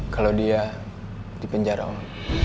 kalo dia dipenjar om